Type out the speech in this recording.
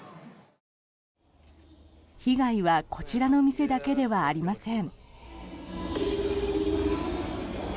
被害はこちらの店だけではありません。